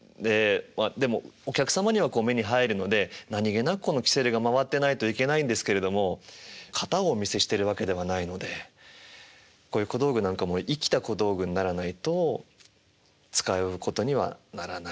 でもお客様には目に入るので何気なくこのきせるが回ってないといけないんですけれども型をお見せしてるわけではないのでこういう小道具なんかも生きた小道具にならないと使うことにはならない。